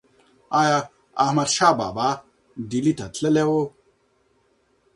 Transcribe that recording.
ایا احمدشاه بابا ډیلي ته تللی و؟